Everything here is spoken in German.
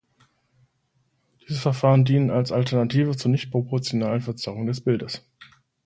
Diese Verfahren dienen als Alternative zur nicht proportionalen Verzerrung des Bilds.